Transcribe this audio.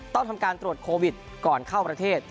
ต้องทำการตรวจโควิดก่อนเข้าประเทศ